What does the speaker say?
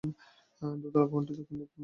দোতলা ভবনটি দক্ষিণ দিক মুখ করা।